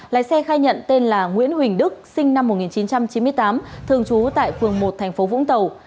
lái xe khai nhận tên là nguyễn huỳnh đức sinh năm một nghìn chín trăm chín mươi tám thường trú tại phường một thành phố vũng tàu